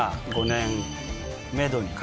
５年？